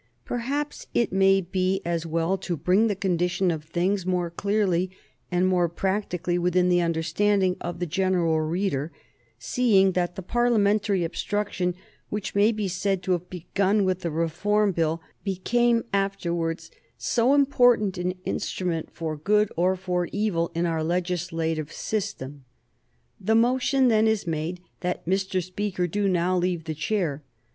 Perhaps it may be as well to bring the condition of things more clearly and more practically within the understanding of the general reader, seeing that the Parliamentary obstruction which may be said to have begun with the Reform Bill became afterwards so important an instrument for good or for evil in our legislative system. The motion then is made that Mr. Speaker do now leave the chair.